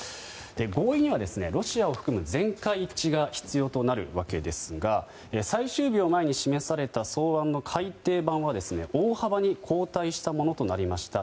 合意にはロシアを含む全会一致が必要となるわけですが最終日を前に示された草案の改訂版は大幅に後退したものとなりました。